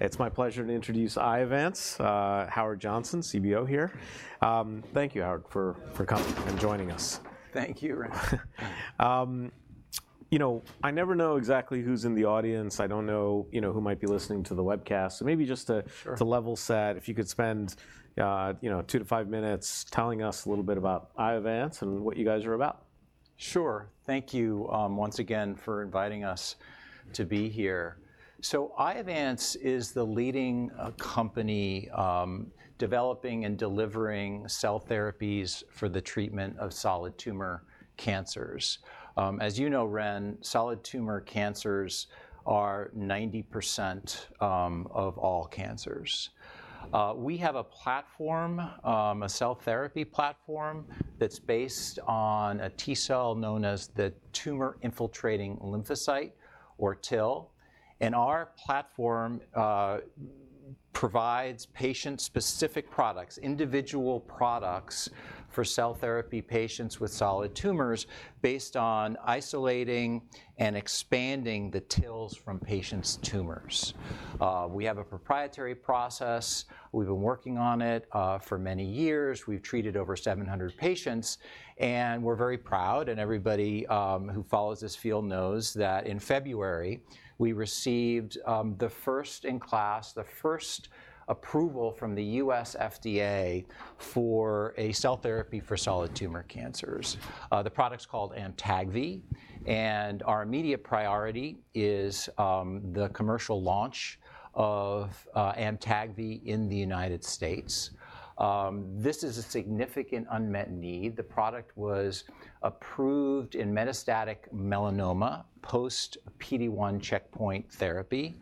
It's my pleasure to introduce Iovance, Jean-Marc Bellemin, CFO here. Thank you, Jean-Marc, for coming and joining us. Thank you, Ren. You know, I never know exactly who's in the audience, I don't know, you know, who might be listening to the webcast. So maybe just to- Sure... to level set, if you could spend, you know, two-five minutes telling us a little bit about Iovance and what you guys are about? Sure. Thank you, once again, for inviting us to be here. So Iovance is the leading company developing and delivering cell therapies for the treatment of solid tumor cancers. As you know, Ren, solid tumor cancers are 90% of all cancers. We have a platform, a cell therapy platform, that's based on a T cell known as the tumor-infiltrating lymphocyte, or TIL. And our platform provides patient-specific products, individual products, for cell therapy patients with solid tumors, based on isolating and expanding the TILs from patients' tumors. We have a proprietary process. We've been working on it for many years. We've treated over 700 patients, and we're very proud, and everybody who follows this field knows that in February we received the first in class, the first approval from the U.S. FDA for a cell therapy for solid tumor cancers. The product's called Amtagvi, and our immediate priority is the commercial launch of Amtagvi in the United States. This is a significant unmet need. The product was approved in metastatic melanoma, post-PD-1 checkpoint therapy.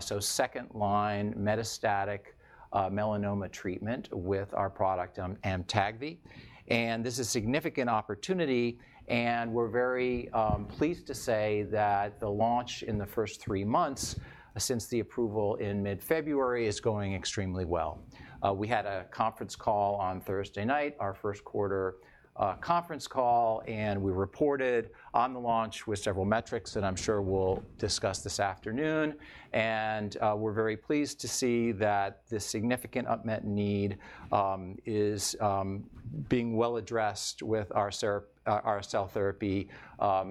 So second-line metastatic melanoma treatment with our product Amtagvi. And this is significant opportunity, and we're very pleased to say that the launch in the first 3 months, since the approval in mid-February, is going extremely well. We had a conference call on Thursday night, our first quarter conference call, and we reported on the launch with several metrics that I'm sure we'll discuss this afternoon. We're very pleased to see that the significant unmet need is being well-addressed with our cell therapy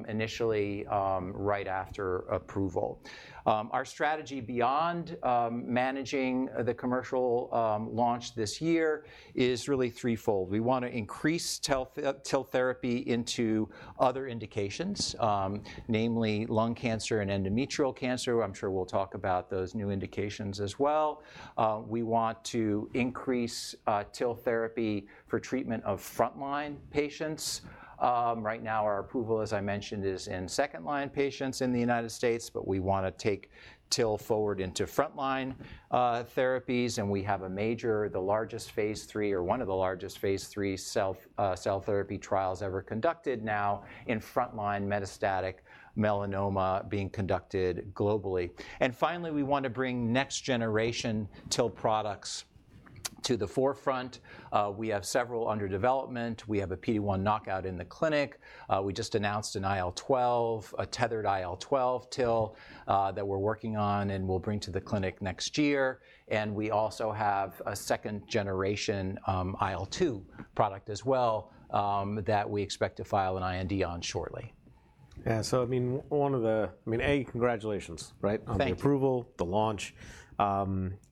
initially right after approval. Our strategy beyond managing the commercial launch this year is really threefold. We want to increase TIL therapy into other indications, namely lung cancer and endometrial cancer. I'm sure we'll talk about those new indications as well. We want to increase TIL therapy for treatment of front-line patients. Right now, our approval, as I mentioned, is in second-line patients in the United States, but we want to take TIL forward into front-line therapies, and we have a major... the largest phase lll, or one of the largest phase lll cell therapy trials ever conducted now in frontline metastatic melanoma being conducted globally. And finally, we want to bring next generation TIL products to the forefront. We have several under development. We have a PD-1 knockout in the clinic. We just announced an IL-12, a tethered IL-12 TIL, that we're working on, and we'll bring to the clinic next year. And we also have a second-generation, IL-2 product as well, that we expect to file an IND on shortly. Yeah, so I mean, one of the... I mean, A, congratulations, right? Thank you. On the approval, the launch.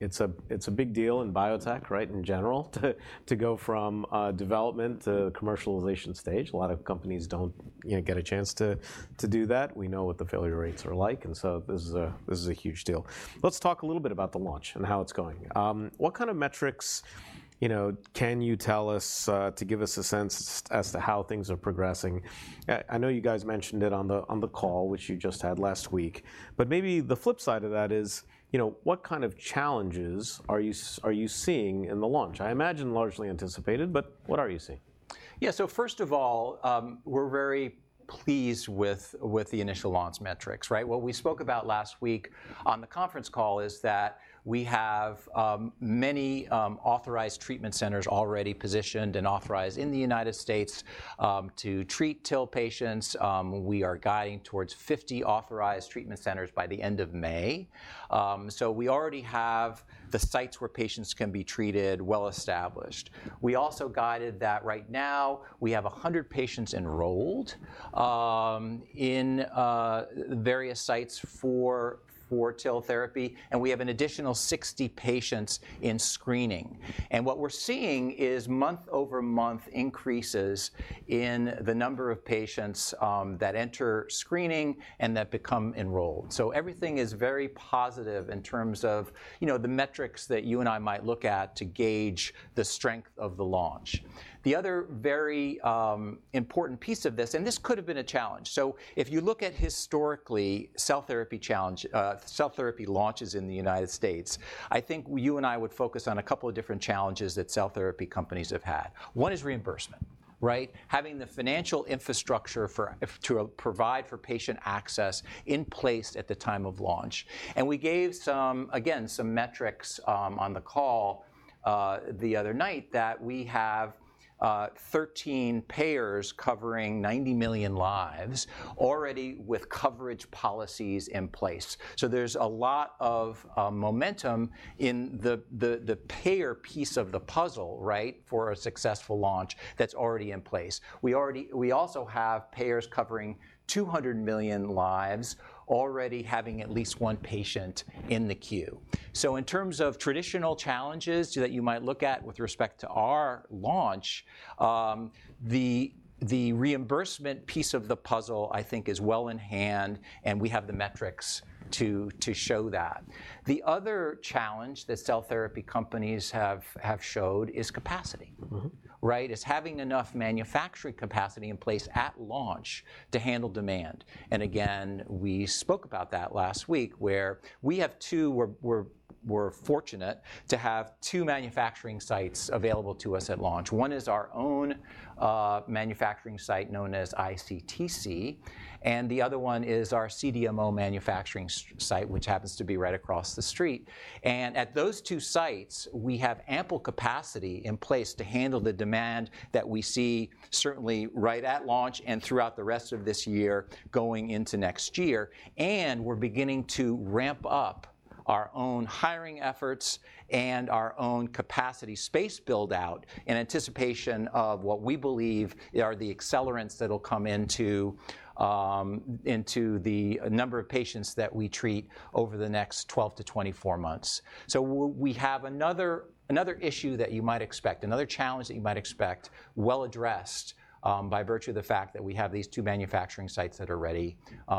It's a big deal in biotech, right, in general, to go from development to commercialization stage. A lot of companies don't, you know, get a chance to do that. We know what the failure rates are like, and so this is a huge deal. Let's talk a little bit about the launch and how it's going. What kind of metrics, you know, can you tell us to give us a sense as to how things are progressing? I know you guys mentioned it on the call, which you just had last week, but maybe the flip side of that is, you know, what kind of challenges are you seeing in the launch? I imagine largely anticipated, but what are you seeing? Yeah, so first of all, we're very pleased with the initial launch metrics, right? What we spoke about last week on the conference call is that we have many authorized treatment centers already positioned and authorized in the United States to treat TIL patients. We are guiding towards 50 authorized treatment centers by the end of May. So we already have the sites where patients can be treated well-established. We also guided that right now we have 100 patients enrolled in various sites for TIL therapy, and we have an additional 60 patients in screening. And what we're seeing is month-over-month increases in the number of patients that enter screening and that become enrolled. So everything is very positive in terms of, you know, the metrics that you and I might look at to gauge the strength of the launch. The other very important piece of this, and this could have been a challenge so if you look at historically, cell therapy launches in the United States, I think you and I would focus on a couple of different challenges that cell therapy companies have had. One is reimbursement, right? Having the financial infrastructure for, to, provide for patient access in place at the time of launch. And we gave some, again, some metrics, on the call the other night that we have 13 payers covering 90 million lives already with coverage policies in place. So there's a lot of momentum in the payer piece of the puzzle, right, for a successful launch that's already in place. We also have payers covering 200 million lives already having at least one patient in the queue. So in terms of traditional challenges that you might look at with respect to our launch, the reimbursement piece of the puzzle, I think, is well in hand, and we have the metrics to show that. The other challenge that cell therapy companies have showed is capacity. Mm-hmm. Right? Is having enough manufacturing capacity in place at launch to handle demand, and again, we spoke about that last week, where we have two. We're fortunate to have two manufacturing sites available to us at launch. One is our own manufacturing site, known as ICTC, and the other one is our CDMO manufacturing site, which happens to be right across the street. And at those two sites, we have ample capacity in place to handle the demand that we see, certainly right at launch and throughout the rest of this year going into next year. And we're beginning to ramp up our own hiring efforts and our own capacity space build-out in anticipation of what we believe are the accelerants that'll come into, into the number of patients that we treat over the next 12-24 months. So we have another, another issue that you might expect, another challenge that you might expect, well-addressed by virtue of the fact that we have these two manufacturing sites that are ready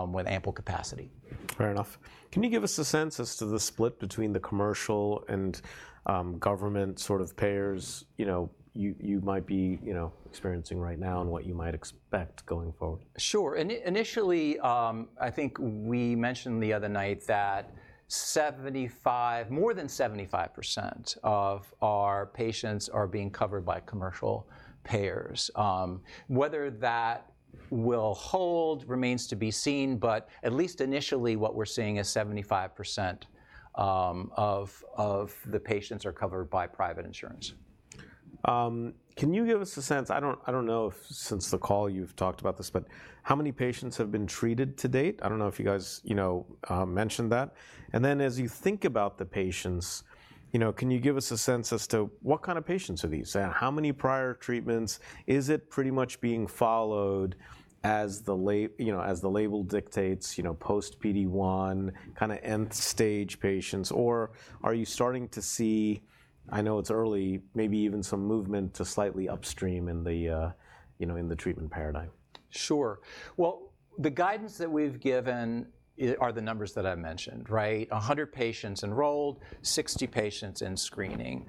with ample capacity. Fair enough. Can you give us a sense as to the split between the commercial and government sort of payers, you know, you might be experiencing right now, and what you might expect going forward? Sure. Initially, I think we mentioned the other night that more than 75% of our patients are being covered by commercial payers. Whether that will hold remains to be seen, but at least initially, what we're seeing is 75% of the patients are covered by private insurance. Can you give us a sense... I don't, I don't know if since the call you've talked about this, but how many patients have been treated to date? I don't know if you guys, you know, mentioned that. And then, as you think about the patients, you know, can you give us a sense as to what kind of patients are these? How many prior treatments? Is it pretty much being followed as the label dictates, you know, post-PD-1, kind of nth stage patients, or are you starting to see, I know it's early, maybe even some movement to slightly upstream in the, you know, in the treatment paradigm? Sure. Well, the guidance that we've given are the numbers that I've mentioned, right? 100 patients enrolled, 60 patients in screening.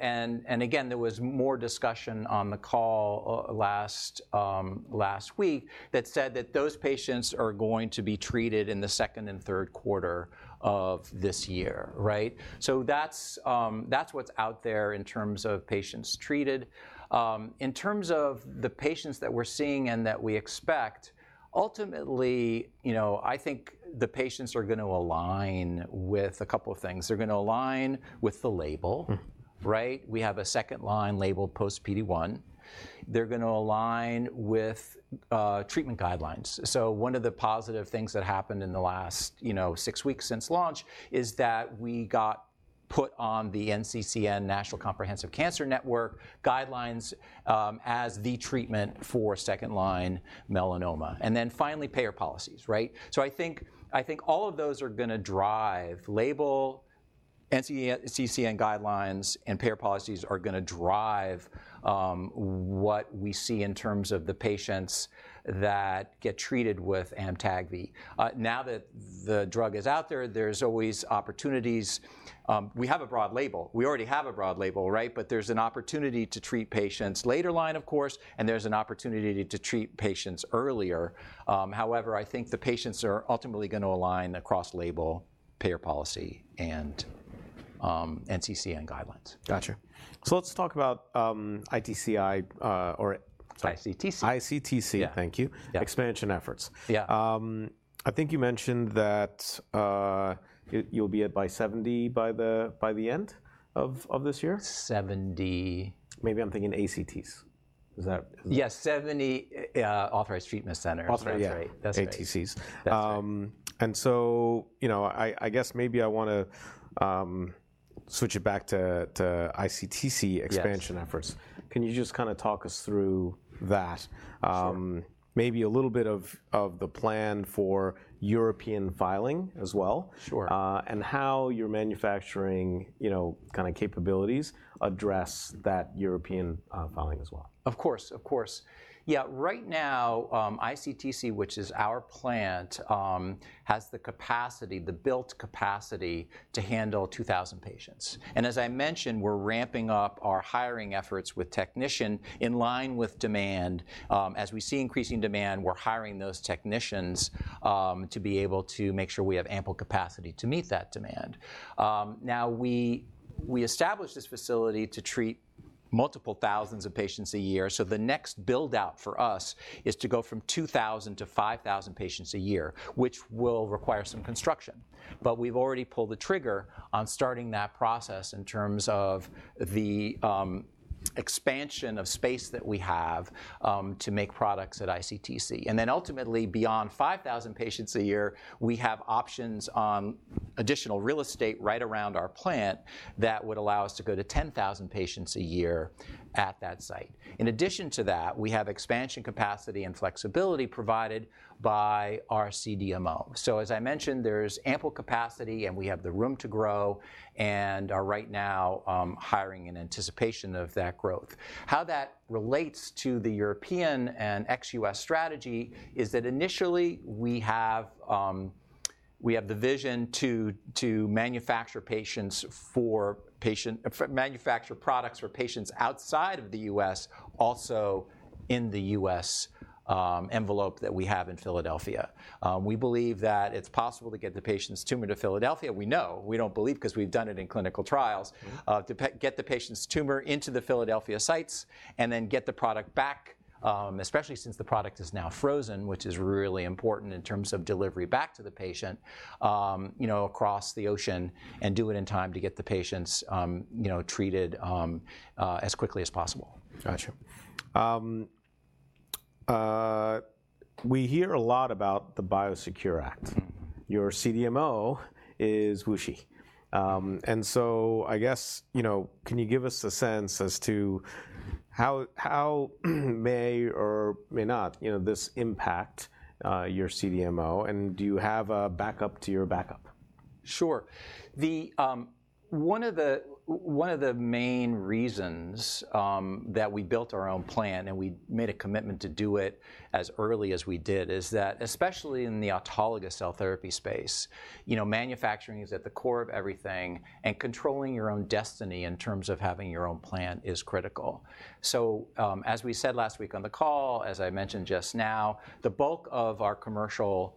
And again, there was more discussion on the call last week that said that those patients are going to be treated in the second and third quarter of this year, right? So that's what's out there in terms of patients treated. In terms of the patients that we're seeing and that we expect, ultimately, you know, I think the patients are going to align with a couple of things. They're gonna align with the label- Mm.... right? We have a second-line label, post-PD-1. They're gonna align with treatment guidelines. So one of the positive things that happened in the last, you know, six weeks since launch, is that we got put on the NCCN, National Comprehensive Cancer Network, guidelines, as the treatment for second-line melanoma. And then finally, payer policies, right? So I think all of those are gonna drive label, NCCN guidelines, and payer policies are gonna drive what we see in terms of the patients that get treated with Amtagvi. Now that the drug is out there, there's always opportunities. We have a broad label. We already have a broad label, right? But there's an opportunity to treat patients later line, of course, and there's an opportunity to treat patients earlier. However, I think the patients are ultimately gonna align across label, payer policy, and NCCN guidelines. Gotcha. So let's talk about ICTC, or sorry- ICTC. ICTC- Yeah... thank you. Yeah. Expansion efforts. Yeah. I think you mentioned that you'll be at 70 by the end of this year? 70- Maybe I'm thinking ATCs, is that- Yeah, 70 authorized treatment centers. Authorized, yeah. That's right. That's right. ATCs. That's right. And so, you know, I guess maybe I wanna switch it back to ICTC- Yes... expansion efforts. Can you just kind of talk us through that? Sure. Maybe a little bit of the plan for European filing as well. Sure... and how your manufacturing, you know, kind of capabilities address that European filing as well? Of course, of course. Yeah, right now, ICTC, which is our plant, has the capacity, the built capacity, to handle 2,000 patients. As I mentioned, we're ramping up our hiring efforts with technician, in line with demand. As we see increasing demand, we're hiring those technicians, to be able to make sure we have ample capacity to meet that demand. Now we established this facility to treat multiple thousands of patients a year, so the next build-out for us is to go from 2,000-5,000 patients a year, which will require some construction. We've already pulled the trigger on starting that process in terms of the expansion of space that we have, to make products at ICTC. And then ultimately, beyond 5,000 patients a year, we have options on additional real estate right around our plant that would allow us to go to 10,000 patients a year at that site. In addition to that, we have expansion capacity and flexibility provided by our CDMO. So as I mentioned, there's ample capacity, and we have the room to grow, and are right now hiring in anticipation of that growth. How that relates to the European and ex-U.S. strategy is that initially, we have the vision to manufacture products for patients outside of the U.S., also in the U.S., envelope that we have in Philadelphia. We believe that it's possible to get the patient's tumor to Philadelphia. We know, we don't believe, 'cause we've done it in clinical trials- Mm-hmm... to get the patient's tumor into the Philadelphia sites, and then get the product back, especially since the product is now frozen, which is really important in terms of delivery back to the patient, you know, across the ocean, and do it in time to get the patients, you know, treated, as quickly as possible. Gotcha. We hear a lot about the Biosecure Act. Mm-hmm. Your CDMO is WuXi. So I guess, you know, can you give us a sense as to how this may or may not, you know, impact your CDMO, and do you have a backup to your backup? Sure. One of the main reasons that we built our own plant, and we made a commitment to do it as early as we did, is that especially in the autologous cell therapy space, you know, manufacturing is at the core of everything, and controlling your own destiny in terms of having your own plant is critical. So, as we said last week on the call, as I mentioned just now, the bulk of our commercial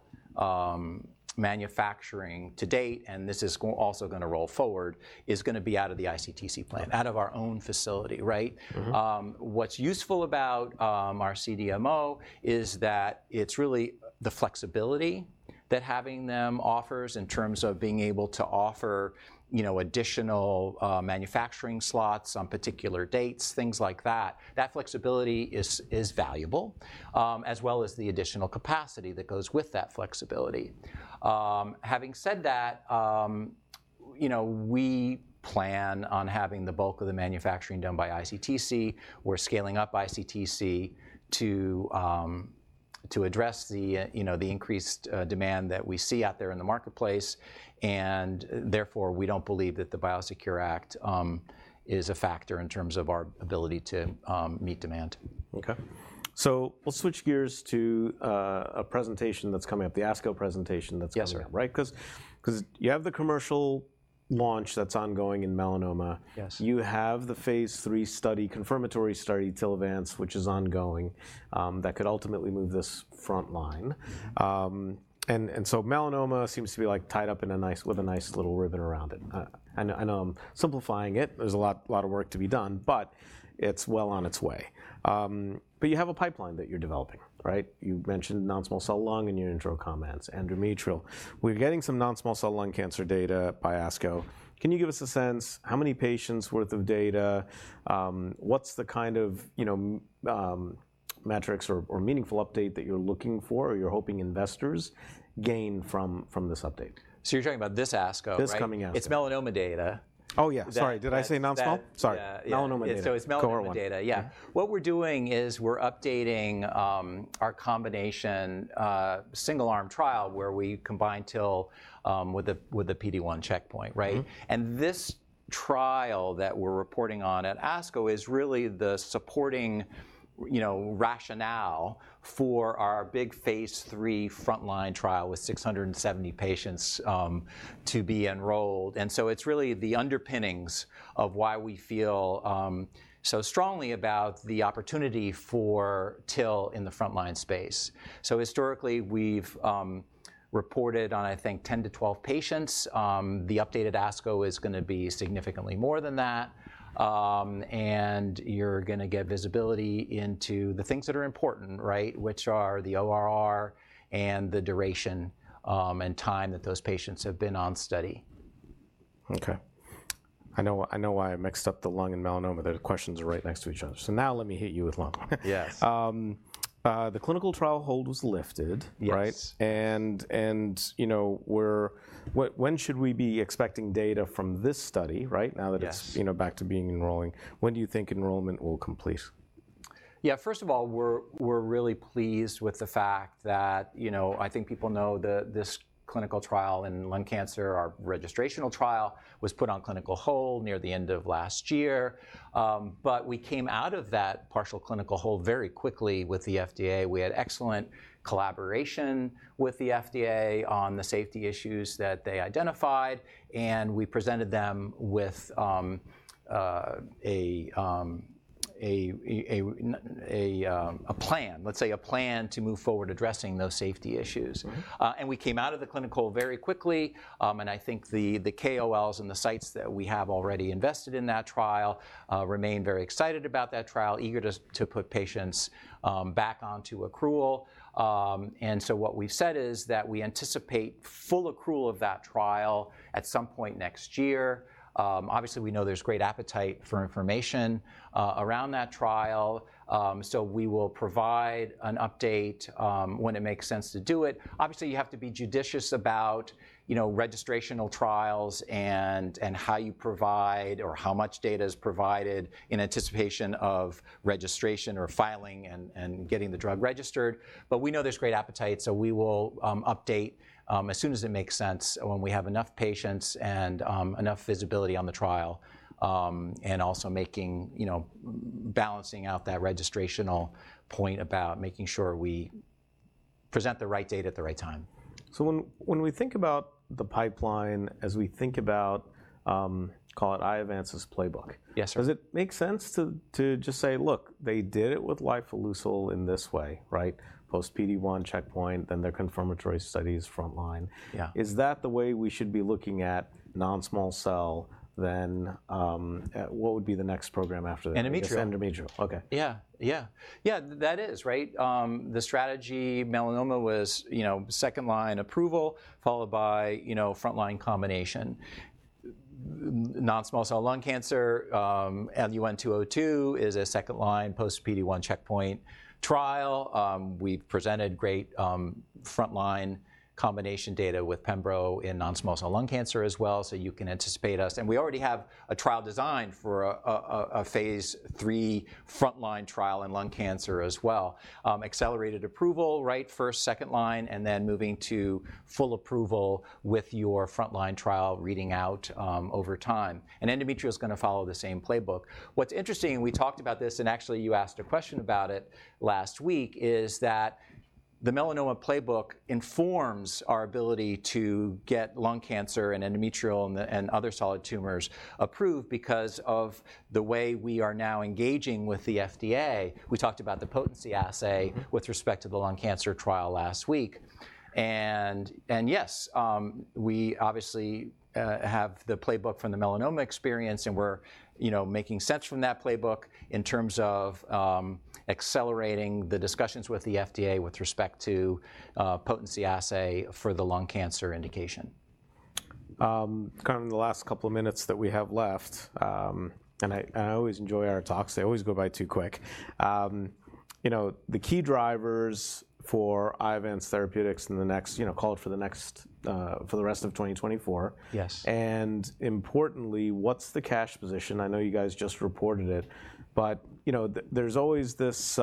manufacturing to date, and this is also gonna roll forward, is gonna be out of the ICTC plant. Right. Out of our own facility, right? Mm-hmm. What's useful about our CDMO is that it's really the flexibility that having them offers in terms of being able to offer, you know, additional manufacturing slots on particular dates, things like that. That flexibility is valuable as well as the additional capacity that goes with that flexibility. Having said that, you know, we plan on having the bulk of the manufacturing done by ICTC. We're scaling up ICTC to address the, you know, the increased demand that we see out there in the marketplace, and therefore, we don't believe that the Biosecure Act is a factor in terms of our ability to meet demand. Okay. So we'll switch gears to a presentation that's coming up, the ASCO presentation that's coming up. Yes, sir. Right? 'Cause you have the commercial launch that's ongoing in melanoma. Yes. You have the phase lll study, confirmatory study, TILVANCE, which is ongoing, that could ultimately move this front line. Mm-hmm. So melanoma seems to be, like, tied up in a nice... with a nice little ribbon around it. I know, I know I'm simplifying it. There's a lot, lot of work to be done, but it's well on its way. But you have a pipeline that you're developing, right? You mentioned non-small cell lung in your intro comments, endometrial. We're getting some non-small cell lung cancer data by ASCO. Can you give us a sense, how many patients worth of data? What's the kind of, you know, metrics or, or meaningful update that you're looking for, or you're hoping investors gain from, from this update? So you're talking about this ASCO, right? This coming ASCO. It's melanoma data. Oh, yeah. That, that- Sorry, did I say non-small? Yeah, yeah. Sorry, melanoma data. It's melanoma data. Go on. Yeah. Okay. What we're doing is we're updating our combination single arm trial, where we combine TIL with the PD-1 checkpoint, right? Mm-hmm. This trial that we're reporting on at ASCO is really the supporting, you know, rationale for our big phase lll frontline trial with 670 patients to be enrolled. So it's really the underpinnings of why we feel so strongly about the opportunity for TIL in the frontline space. Historically, we've reported on, I think, 10-12 patients. The updated ASCO is gonna be significantly more than that. And you're gonna get visibility into the things that are important, right? Which are the ORR and the duration, and time that those patients have been on study. Okay. I know, I know why I mixed up the lung and melanoma. The questions are right next to each other. So now let me hit you with lung. Yes. The clinical trial hold was lifted- Yes... right? You know, what, when should we be expecting data from this study, right? Yes. Now that it's, you know, back to being enrolling, when do you think enrollment will complete? Yeah, first of all, we're really pleased with the fact that, you know, I think people know that this clinical trial in lung cancer, our registrational trial, was put on clinical hold near the end of last year. But we came out of that partial clinical hold very quickly with the FDA. We had excellent collaboration with the FDA on the safety issues that they identified, and we presented them with a plan, let's say a plan to move forward addressing those safety issues. Mm-hmm. And we came out of the clinical very quickly. And I think the KOLs and the sites that we have already invested in that trial remain very excited about that trial, eager to put patients back onto accrual. And so what we've said is that we anticipate full accrual of that trial at some point next year. Obviously we know there's great appetite for information around that trial. So we will provide an update when it makes sense to do it. Obviously, you have to be judicious about, you know, registrational trials, and how you provide, or how much data is provided in anticipation of registration or filing, and getting the drug registered. But we know there's great appetite, so we will update as soon as it makes sense, when we have enough patients and enough visibility on the trial. And also making, you know, balancing out that registrational point about making sure we present the right data at the right time. So when we think about the pipeline, as we think about, call it Iovance's playbook- Yes, sir.... does it make sense to just say, "Look, they did it with lifileucel in this way," right? Post-PD-1 checkpoint, then their confirmatory study is frontline. Yeah. Is that the way we should be looking at non-small cell, then, what would be the next program after that? Endometrial. I guess endometrial, okay. Yeah. Yeah. Yeah, that is, right? The strategy, melanoma was, you know, second line approval, followed by, you know, frontline combination. Non-small cell lung cancer, LUN-202 is a second line post-PD-1 checkpoint trial. We've presented great, frontline combination data with pembro in non-small cell lung cancer as well, so you can anticipate us... And we already have a trial design for a phase lll frontline trial in lung cancer as well. Accelerated approval, right, first, second line, and then moving to full approval with your frontline trial reading out, over time. And endometrial is gonna follow the same playbook. What's interesting, and we talked about this, and actually you asked a question about it last week, is that the melanoma playbook informs our ability to get lung cancer, and endometrial, and, and other solid tumors approved, because of the way we are now engaging with the FDA. We talked about the potency assay. Mm-hmm... with respect to the lung cancer trial last week. And yes, we obviously have the playbook from the melanoma experience, and we're, you know, making sense from that playbook in terms of accelerating the discussions with the FDA with respect to potency assay for the lung cancer indication. Kind of in the last couple of minutes that we have left. I always enjoy our talks. They always go by too quick. You know, the key drivers for Iovance Biotherapeutics in the next, you know, call it for the rest of 2024- Yes... and importantly, what's the cash position? I know you guys just reported it, but, you know, there's always this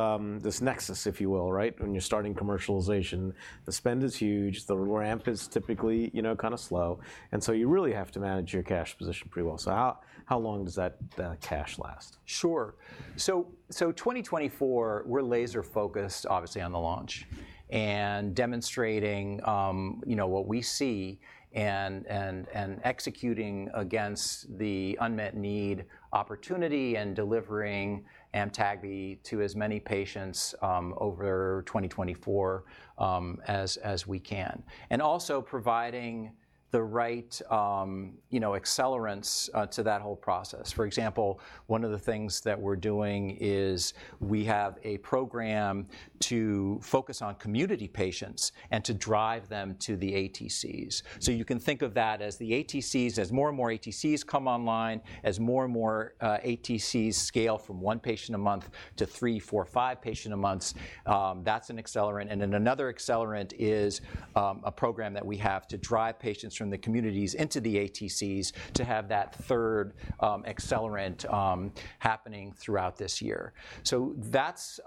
nexus, if you will, right? When you're starting commercialization, the spend is huge, the ramp is typically, you know, kind of slow, and so you really have to manage your cash position pretty well. So how long does that cash last? Sure. So, 2024, we're laser focused obviously on the launch, and demonstrating, you know, what we see, and executing against the unmet need opportunity, and delivering Amtagvi to as many patients over 2024 as we can. And also providing the right, you know, accelerants to that whole process. For example, one of the things that we're doing is, we have a program to focus on community patients, and to drive them to the ATCs. Mm-hmm. So you can think of that as the ATCs, as more and more ATCs come online, as more and more, ATCs scale from one patient a month to three, four, five patients a month, that's an accelerant. And then another accelerant is, a program that we have to drive patients from the communities into the ATCs, to have that third, accelerant, happening throughout this year. So that's,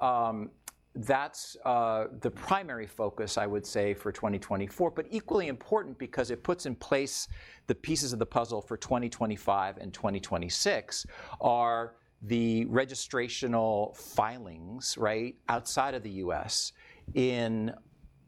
that's, the primary focus, I would say, for 2024. But equally important, because it puts in place the pieces of the puzzle for 2025 and 2026, are the registrational filings, right, outside of the U.S., in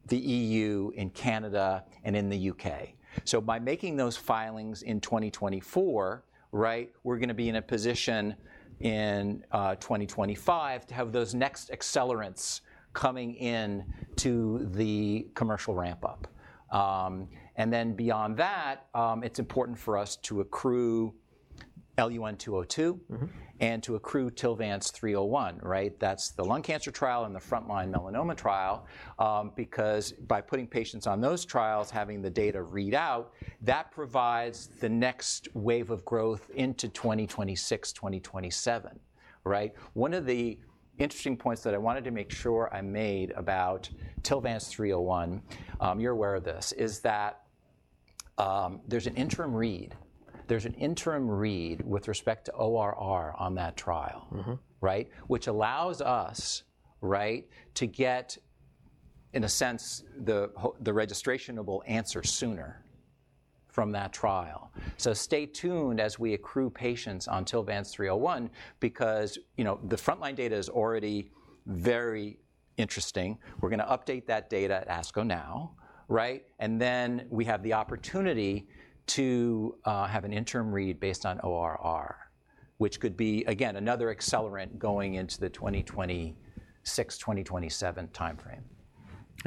the EU, in Canada, and in the U.K. So by making those filings in 2024, right, we're gonna be in a position in, 2025 to have those next accelerants coming in to the commercial ramp-up. And then beyond that, it's important for us to accrue LU-202. Mm-hmm... and to accrue TILVANCE-301, right? That's the lung cancer trial and the frontline melanoma trial. Because by putting patients on those trials, having the data read out, that provides the next wave of growth into 2026, 2027, right? One of the interesting points that I wanted to make sure I made about TILVANCE-301, you're aware of this, is that, there's an interim read. There's an interim read with respect to ORR on that trial- Mm-hmm... right? Which allows us, right, to get, in a sense, the registrational answer sooner from that trial. So stay tuned as we accrue patients on TILVANCE-301, because, you know, the frontline data is already very interesting. We're gonna update that data at ASCO now, right? And then we have the opportunity to have an interim read based on ORR, which could be, again, another accelerant going into the 2026, 2027 timeframe.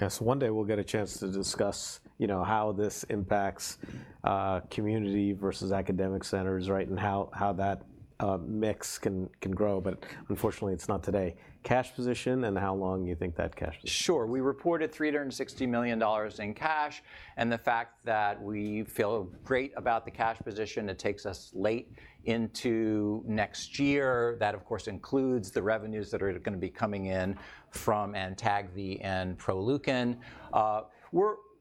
Yeah, so one day we'll get a chance to discuss, you know, how this impacts community versus academic centers, right, and how that mix can grow, but unfortunately it's not today. Cash position, and how long you think that cash position- Sure. We reported $360 million in cash, and the fact that we feel great about the cash position, it takes us late into next year. That, of course, includes the revenues that are gonna be coming in from Amtagvi and Proleukin.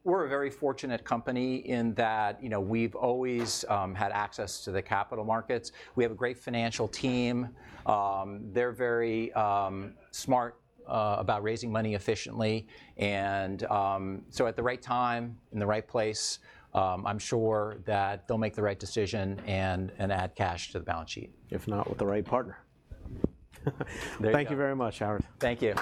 We're a very fortunate company, in that, you know, we've always had access to the capital markets. We have a great financial team. They're very smart about raising money efficiently. And so at the right time, in the right place, I'm sure that they'll make the right decision and add cash to the balance sheet. If not with the right partner. There you go. Thank you very much, Jean-Marc Bellemin. Thank you.